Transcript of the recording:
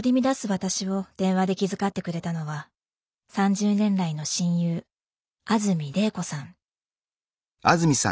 私を電話で気遣ってくれたのは３０年来の親友なるほど。